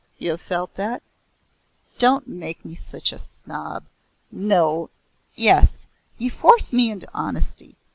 You have felt that?" "Don't make me out such a snob. No yes. You force me into honesty.